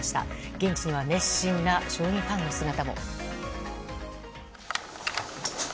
現地には熱心な将棋ファンの姿も。